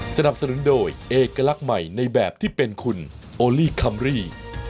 สนับสนุนโดยเอกลักษณ์ใหม่ในแบบที่เป็นคุณโอลี่คัมรี่